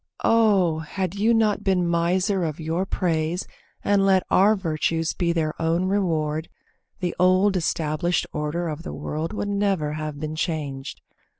Oh! had you not been miser of your praise And let our virtues be their own reward, The old established order of the world Would never have been changed.